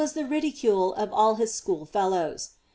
he was th« ridicule of all his schoolfellows.